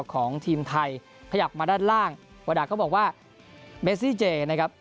ของทีมไทยขยับมาด้านล่างวาดาก็บอกว่าเมซี่เจนะครับ